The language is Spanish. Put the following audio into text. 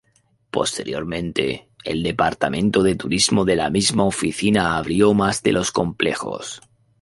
Posteriormente, el departamento de turismo de la misma oficina abrió más de los complejos.